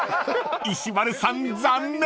［石丸さん残念］